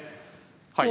はい。